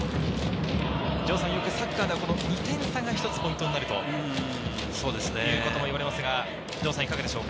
城さん、よくサッカーでは２点差が一つポイントになるといわれますがいかがですか？